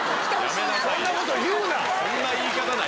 そんなこと言うな！